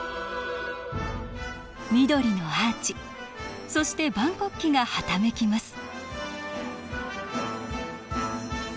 緑のアーチそして万国旗がはためきます